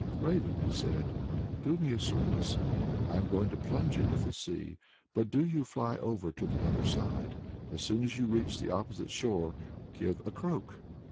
"Raven!" he said, "do me a service. I am going to plunge into the sea, but do you fly over to the other side and as soon as you reach the opposite shore, give a croak."